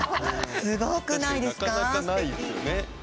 すごくないですかすてき。